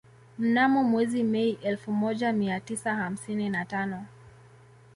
Mnamo mwezi Mei elfu moja mia tisa hamsini na tano